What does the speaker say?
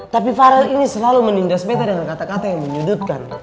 tapi farel ini selalu menindas meta dengan kata kata yang menyudutkan